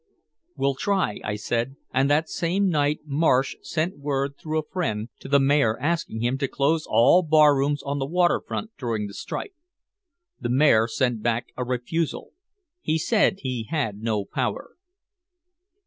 '" "We'll try," I said, and that same night Marsh sent word through a friend to the mayor asking him to close all barrooms on the waterfront during the strike. The mayor sent back a refusal. He said he had no power.